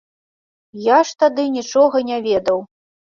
Я ж тады нічога не ведаў.